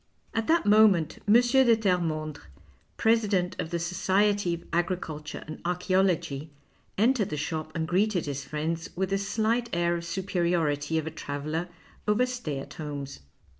At that moment M. de Tcrrcmondrc, president of the Society of Agriculture and Archaeology, entered the shop and greeted his friends with the slight air of superiority of a traveller over stay at homes.